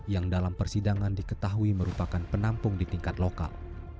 yang dalam persidangan diketahui merupakan penampung di tingkat lokal